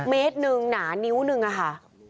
เมตรหนึ่งหนานิ้วนึงอะค่ะ